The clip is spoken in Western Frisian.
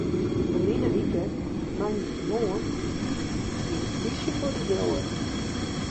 Ferline wike moandeitemoarn betiid stie de polysje foar de doar.